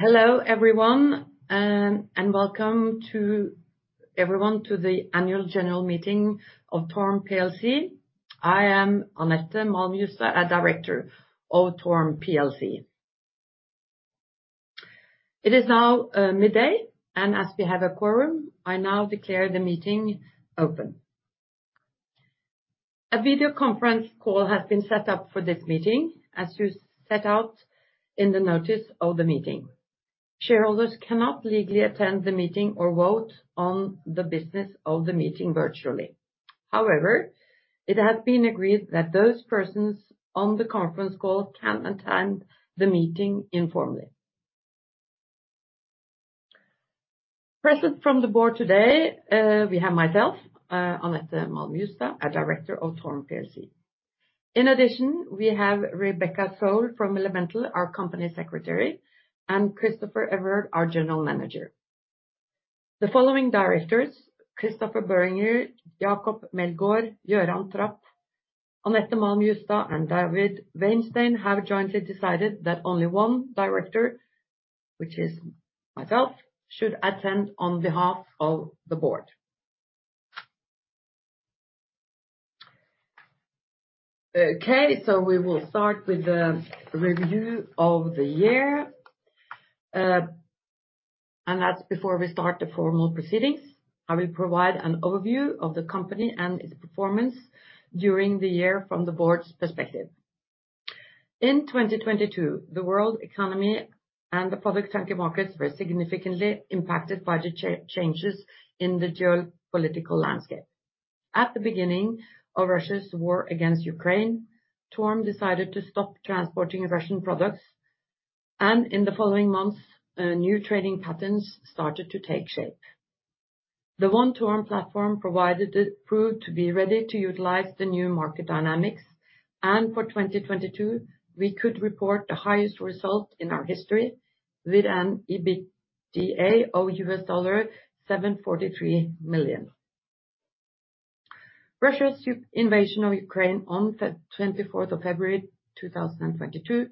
Hello everyone, and welcome to everyone to the annual general meeting of TORM plc. I am Annette Malm Justad, a director of TORM plc. It is now midday, and as we have a quorum, I now declare the meeting open. A video conference call has been set up for this meeting, as you set out in the notice of the meeting. Shareholders cannot legally attend the meeting or vote on the business of the meeting virtually. However, it has been agreed that those persons on the conference call can attend the meeting informally. Present from the board today, we have myself, Annette Malm Justad, a director of TORM plc. In addition, we have Rebecca Sole from uncertain, our Company Secretary, and Christopher Everard, our General Manager. The following directors, Christopher H. Boehringer, Jacob Meldgaard, Göran Trapp, Annette Malm Justad, and David Weinstein, have jointly decided that only one director, which is myself, should attend on behalf of the board. We will start with the review of the year, that's before we start the formal proceedings. I will provide an overview of the company and its performance during the year from the board's perspective. In 2022, the world economy and the public tanker markets were significantly impacted by the changes in the geopolitical landscape. At the beginning of Russia's war against Ukraine, TORM decided to stop transporting Russian products, in the following months, new trading patterns started to take shape. The One TORM platform proved to be ready to utilize the new market dynamics. For 2022, we could report the highest result in our history with an EBITDA of $743 million. Russia's invasion of Ukraine on the 24th of February 2022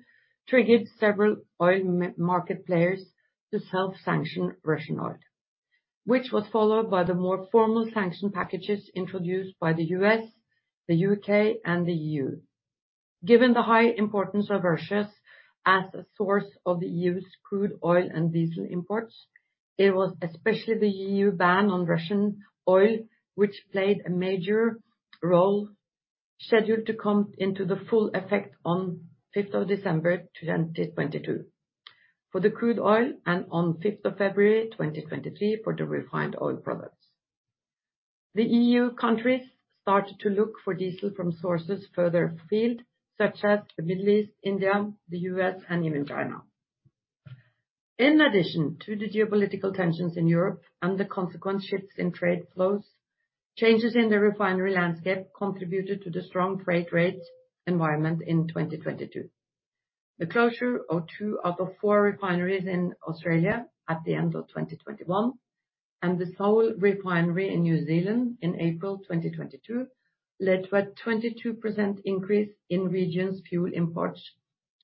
triggered several oil market players to self-sanction Russian oil, which was followed by the more formal sanction packages introduced by the U.S., the U.K., and the EU. Given the high importance of Russia as a source of the EU's crude oil and diesel imports, it was especially the EU ban on Russian oil which played a major role, scheduled to come into the full effect on 5th of December 2022 for the crude oil and on 5th of February 2023 for the refined oil products. The EU countries started to look for diesel from sources further afield, such as the Middle East, India, the US, and even China. In addition to the geopolitical tensions in Europe and the consequent shifts in trade flows, changes in the refinery landscape contributed to the strong freight rates environment in 2022. The closure of two out of four refineries in Australia at the end of 2021 and the sole refinery in New Zealand in April 2022 led to a 22% increase in regions fuel imports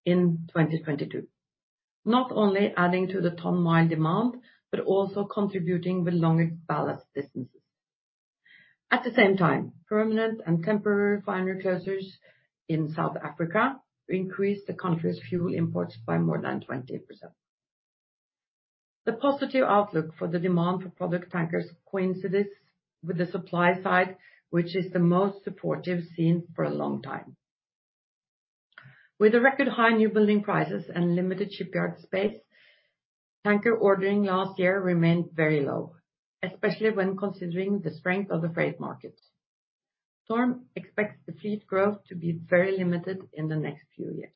in 2022. Not only adding to the ton-mile demand, but also contributing with longer ballast distances. At the same time, permanent and temporary refinery closures in South Africa increased the country's fuel imports by more than 20%. The positive outlook for the demand for product tankers coincides with the supply side, which is the most supportive seen for a long time. With the record high new building prices and limited shipyard space, tanker ordering last year remained very low, especially when considering the strength of the freight market. TORM expects the fleet growth to be very limited in the next few years.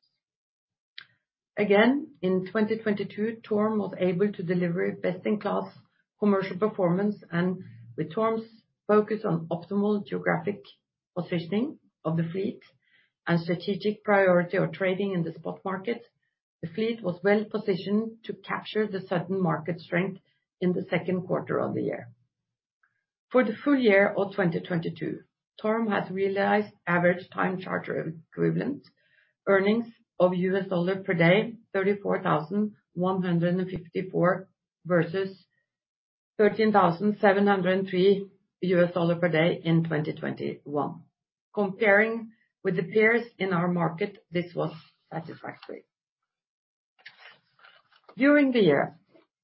Again, in 2022, TORM was able to deliver best-in-class commercial performance, and with TORM's focus on optimal geographic positioning of the fleet and strategic priority of trading in the spot market, the fleet was well-positioned to capture the sudden market strength in the second quarter of the year. For the full year of 2022, TORM has realized average time charter equivalent earnings of $34,154 per day versus $13,703 per day in 2021. Comparing with the peers in our market, this was satisfactory. During the year,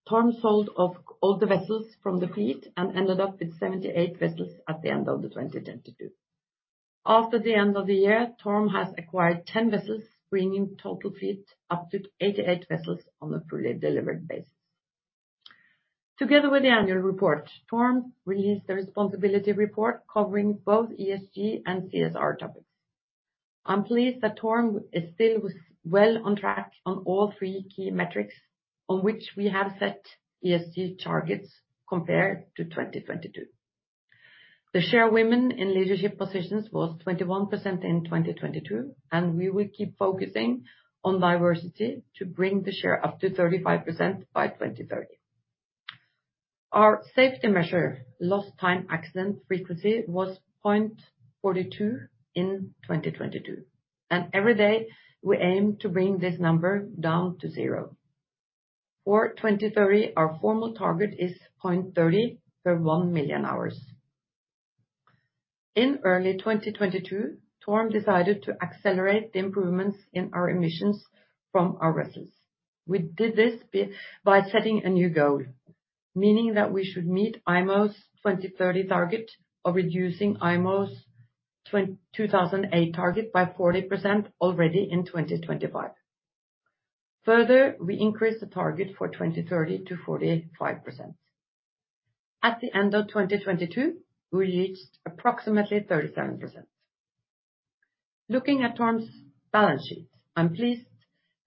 TORM sold off all the vessels from the fleet and ended up with 78 vessels at the end of 2022. After the end of the year, TORM has acquired 10 vessels, bringing total fleet up to 88 vessels on a fully delivered basis. Together with the annual report, TORM released a responsibility report covering both ESG and CSR topics. I'm pleased that TORM is still was well on track on all three key metrics on which we have set ESG targets compared to 2022. The share women in leadership positions was 21% in 2022. We will keep focusing on diversity to bring the share up to 35% by 2030. Our safety measure, lost time accident frequency, was 0.42 in 2022. Every day we aim to bring this number down to 0. For 2030, our formal target is 0.30 per 1 million hours. In early 2022, TORM decided to accelerate the improvements in our emissions from our vessels. We did this by setting a new goal, meaning that we should meet IMO's 2030 target of reducing IMO's 2008 target by 40% already in 2025. We increased the target for 2030 to 45%. At the end of 2022, we reached approximately 37%. Looking at TORM's balance sheet, I'm pleased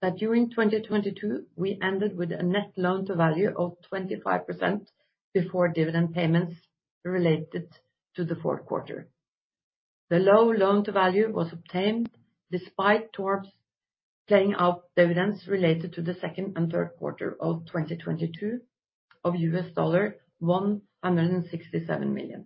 that during 2022, we ended with a net loan to value of 25% before dividend payments related to the fourth quarter. The low loan to value was obtained despite TORM's paying out dividends related to the second and third quarter of 2022 of $167 million.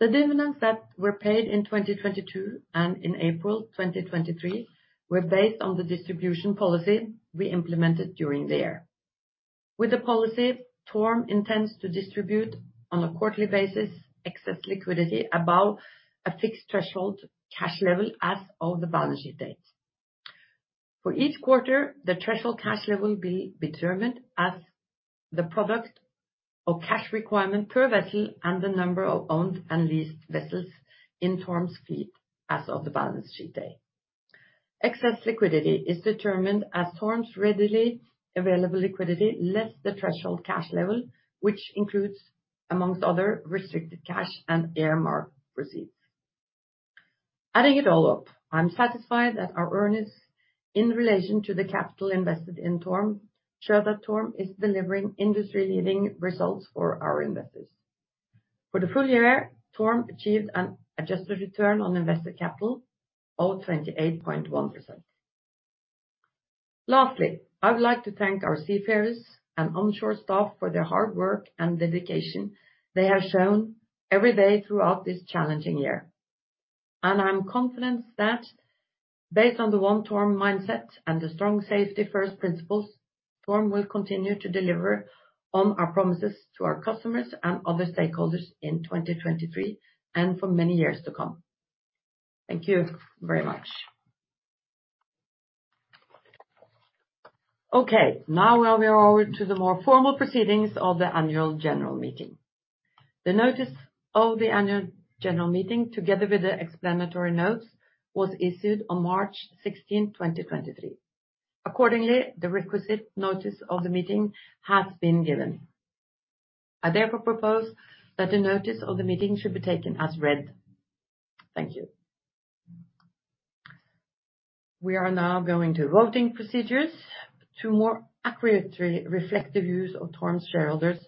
The dividends that were paid in 2022 and in April 2023 were based on the distribution policy we implemented during the year. With the policy, TORM intends to distribute on a quarterly basis excess liquidity above a fixed threshold cash level as of the balance sheet date. For each quarter, the threshold cash level be determined as the product of cash requirement per vessel and the number of owned and leased vessels in TORM's fleet as of the balance sheet date. Excess liquidity is determined as TORM's readily available liquidity less the threshold cash level, which includes, amongst other, restricted cash and earmarked proceeds. Adding it all up, I'm satisfied that our earnings in relation to the capital invested in TORM show that TORM is delivering industry-leading results for our investors. For the full year, TORM achieved an Adjusted Return on Invested Capital of 28.1%. Lastly, I would like to thank our seafarers and onshore staff for their hard work and dedication they have shown every day throughout this challenging year, and I'm confident that based on the One TORM mindset and the strong safety first principles, TORM will continue to deliver on our promises to our customers and other stakeholders in 2023 and for many years to come. Thank you very much. Okay, now we are over to the more formal proceedings of the annual general meeting. The notice of the annual general meeting, together with the explanatory notes, was issued on March 16th, 2023. Accordingly, the requisite notice of the meeting has been given. I therefore propose that the notice of the meeting should be taken as read. Thank you. We are now going to voting procedures. To more accurately reflect the views of TORM's shareholders,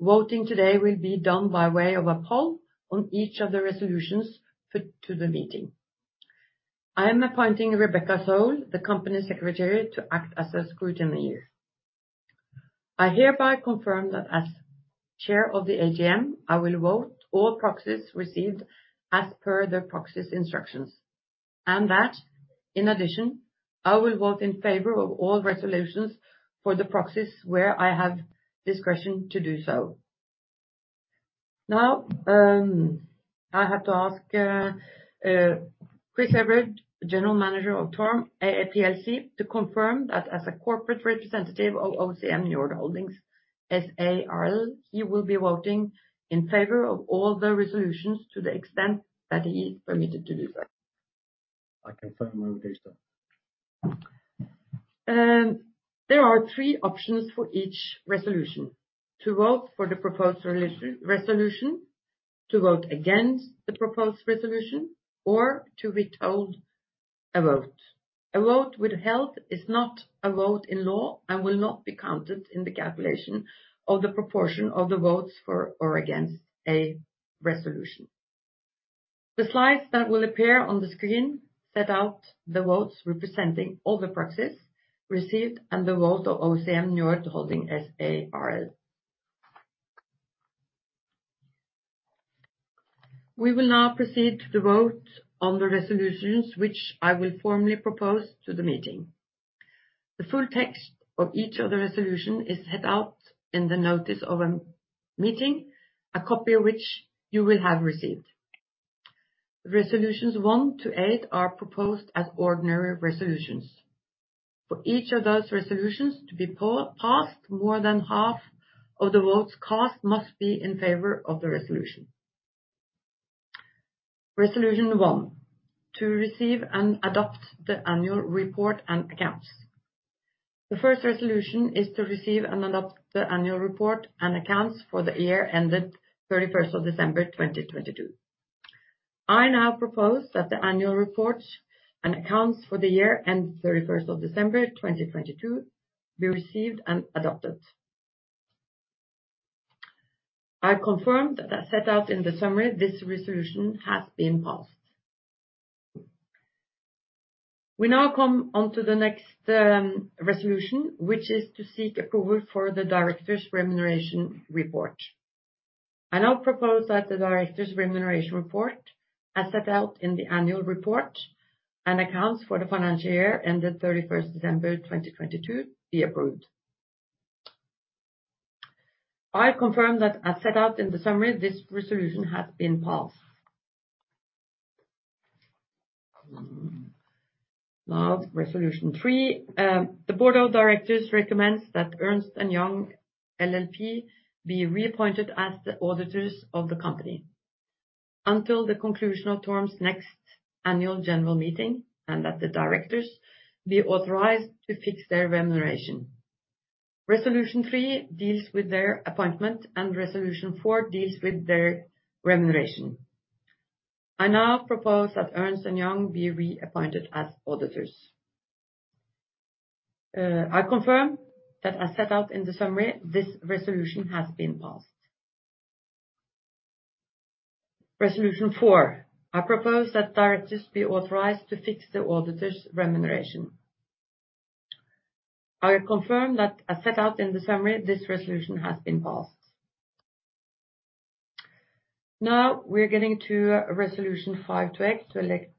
voting today will be done by way of a poll on each of the resolutions put to the meeting. I am appointing Rebecca Sole, the Company Secretary, to act as a scrutineer. I hereby confirm that as chair of the AGM, I will vote all proxies received as per the proxy's instructions, and that, in addition, I will vote in favor of all resolutions for the proxies where I have discretion to do so. I have to ask Chris Everard, General Manager of TORM plc, to confirm that as a corporate representative of OCM Njord Holdings S.à r.l., he will be voting in favour of all the resolutions to the extent that he is permitted to do so. I confirm I will do so. There are three options for each resolution. To vote for the proposed resolution, to vote against the proposed resolution, or to withhold a vote. A vote withheld is not a vote in law and will not be counted in the calculation of the proportion of the votes for or against a resolution. The slides that will appear on the screen set out the votes representing all the proxies received and the vote of OCM Njord Holdings S.à r.l. We will now proceed to the vote on the resolutions which I will formally propose to the meeting. The full text of each of the resolution is set out in the notice of the meeting, a copy of which you will have received. Resolutions one to eight are proposed as ordinary resolutions. For each of those resolutions to be passed, more than half of the votes cast must be in favor of the resolution. Resolution 1: to receive and adopt the annual report and accounts. The first resolution is to receive and adopt the annual report and accounts for the year ended 31st of December, 2022. I now propose that the annual reports and accounts for the year end 31st of December, 2022, be received and adopted. I confirm that as set out in the summary, this resolution has been passed. We now come on to the next resolution, which is to seek approval for the directors' remuneration report. I now propose that the directors' remuneration report, as set out in the annual report and accounts for the financial year ended 31st December 2022 be approved. I confirm that as set out in the summary, this resolution has been passed. Now resolution three. The board of directors recommends that Ernst & Young LLP be reappointed as the auditors of the company until the conclusion of TORM's next annual general meeting and that the directors be authorized to fix their remuneration. Resolution three deals with their appointment, and resolution four deals with their remuneration. I now propose that Ernst & Young be reappointed as auditors. I confirm that as set out in the summary, this resolution has been passed. Resolution four: I propose that directors be authorized to fix the auditors' remuneration. I confirm that as set out in the summary, this resolution has been passed. Now we're getting to resolution five to eight to elect,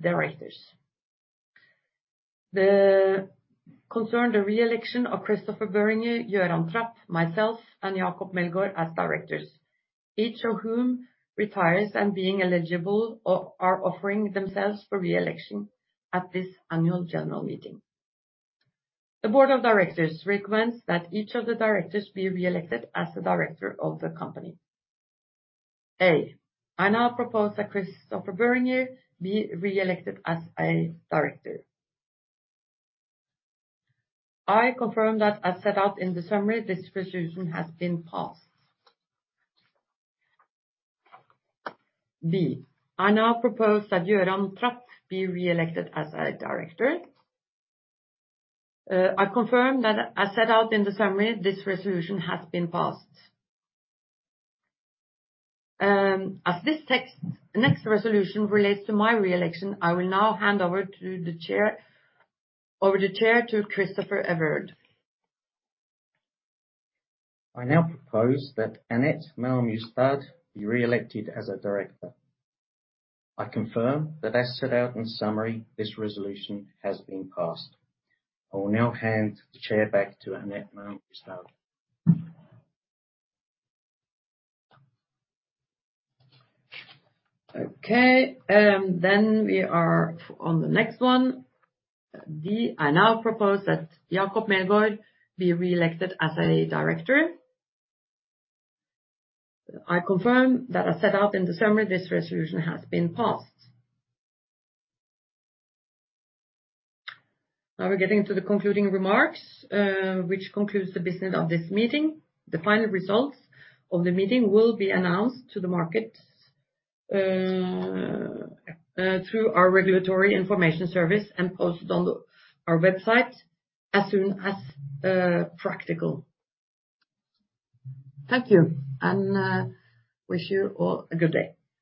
directors. The concern the reelection of Christopher H. Boehringer, Göran Trapp, myself, and Jacob Meldgaard as directors, each of whom retires and being eligible are offering themselves for reelection at this annual general meeting. The board of directors recommends that each of the directors be reelected as a director of the company. I now propose that Christopher H. Boehringer be reelected as a director. I confirm that as set out in the summary, this resolution has been passed. I now propose that Göran Trapp be reelected as a director. I confirm that as set out in the summary, this resolution has been passed. As this next resolution relates to my reelection, I will now hand over the chair to Christopher Everard. I now propose that Annette Malm Justad be reelected as a director. I confirm that as set out in summary, this resolution has been passed. I will now hand the chair back to Annette Malm Justad. We are on the next one. I now propose that Jacob Meldgaard be reelected as a director. I confirm that as set out in the summary, this resolution has been passed. We're getting to the concluding remarks, which concludes the business of this meeting. The final results of the meeting will be announced to the market through our regulatory information service and posted on our website as soon as practical. Thank you, wish you all a good day.